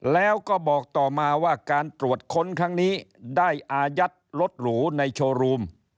แล้วก็บอกต่อมาว่าการตรวจค้นครั้งนี้ได้อายัดรถหรูในโชว์รูม